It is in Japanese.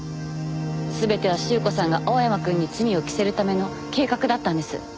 全ては朱子さんが青山くんに罪を着せるための計画だったんです。